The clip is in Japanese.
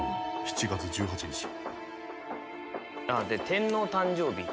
天皇誕生日。